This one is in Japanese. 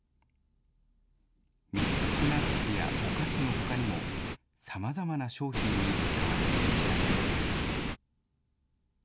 ミックスナッツやお菓子のほかにも、さまざまな商品に使われていました。